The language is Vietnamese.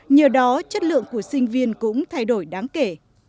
nhờ đó chất lượng của sinh viên cũng thay đổi đáng kể